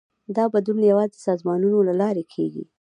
دا بدلون یوازې د سازمانونو له لارې کېږي.